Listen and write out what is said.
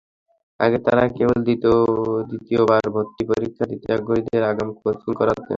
আগে তাঁরা কেবল দ্বিতীয়বার ভর্তি পরীক্ষা দিতে আগ্রহীদের আগাম কোচিং করাতেন।